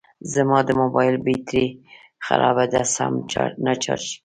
زما د موبایل بېټري خرابه ده سم نه چارج کېږي